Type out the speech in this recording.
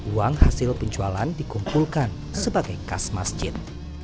uang hasil penjualan dikumpulkan sebagai kas masjid